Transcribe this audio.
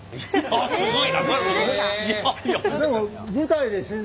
あっすごい。